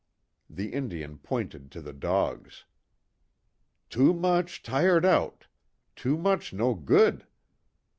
The Indian pointed to the dogs. "Too mooch tired out. Too mooch no good.